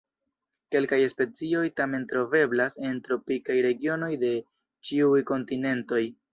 Kelkaj specioj tamen troveblas en tropikaj regionoj de ĉiuj kontinentoj.